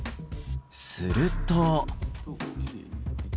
すると。